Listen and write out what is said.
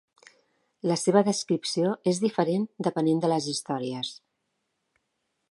La seva descripció és diferent depenent de les històries.